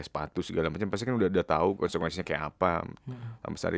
sepatu segala macam pasti kan udah tau konsekuensinya kayak apa